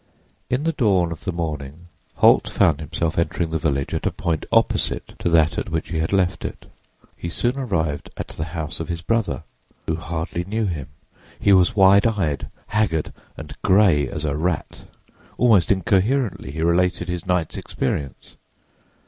In the dawn of the morning Holt found himself entering the village at a point opposite to that at which he had left it. He soon arrived at the house of his brother, who hardly knew him. He was wild eyed, haggard, and gray as a rat. Almost incoherently, he related his night's experience.